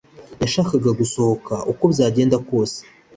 yashakaga gusohoka uko byagenda kose